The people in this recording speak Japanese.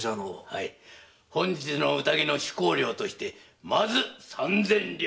はい本日の宴の酒肴料としてまず三千両を。